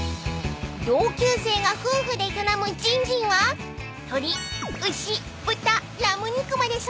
［同級生が夫婦で営むじんじんは鶏牛豚ラム肉まで揃いどれも絶品］